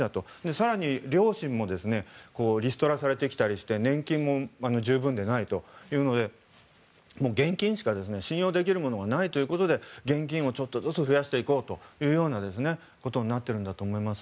更に、両親もリストラされてきたりして年金も十分でないというので現金しか信用できるものがないということで現金をちょっとずつ増やしていこうということになっているんだと思います。